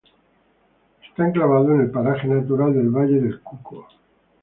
Está enclavado en el paraje natural del Valle del Cuco.